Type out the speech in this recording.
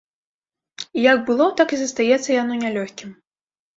І як было, так і застаецца яно нялёгкім.